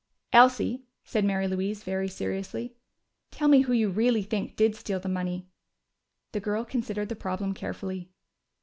"Elsie," said Mary Louise very seriously, "tell me who you really think did steal the money." The girl considered the problem carefully.